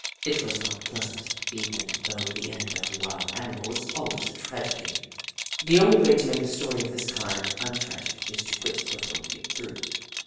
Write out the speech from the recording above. It was not pleasant, even though the end of a wild animal is always a tragedy. The only way to make a story of this kind un tragic is to quit before you get through.